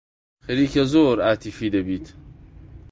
خەریکە زۆر عاتیفی دەبیت.